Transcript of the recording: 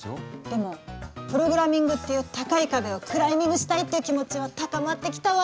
でもプログラミングっていう高い壁をクライミングしたいっていう気持ちは高まってきたわ。